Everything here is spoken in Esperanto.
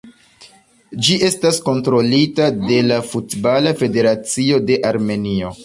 Ĝi estas kontrolita de la Futbala Federacio de Armenio.